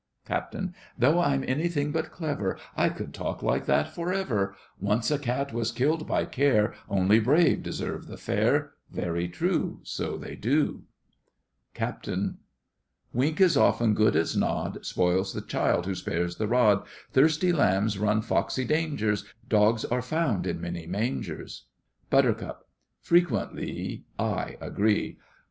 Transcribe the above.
CAPT. Though I'm anything but clever, I could talk like that for ever: Once a cat was killed by care; Only brave deserve the fair. Very true, So they do. CAPT. Wink is often good as nod; Spoils the child who spares the rod; Thirsty lambs run foxy dangers; Dogs are found in many mangers. BUT. Frequentlee, I agree.